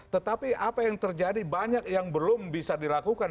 tetapi apa yang terjadi banyak yang belum bisa dilakukan